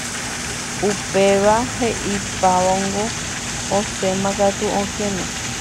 Upéva he'ipávongo osẽmakatu okẽme.